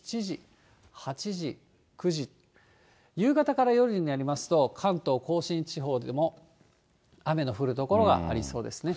夕方から夜になりますと、関東甲信地方でも雨の降る所がありそうですね。